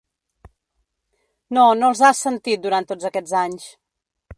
No, no els has sentit durant tots aquests anys.